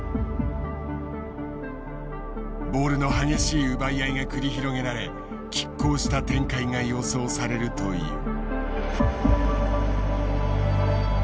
ボールの激しい奪い合いが繰り広げられ拮抗した展開が予想されるという。